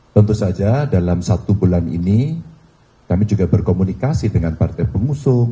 tentu saja dalam satu bulan ini kami juga berkomunikasi dengan partai pengusung